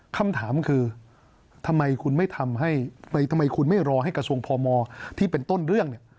คำถามคือทำไมคุณไม่รอให้กระทรวงพมที่เป็นต้นเรื่อง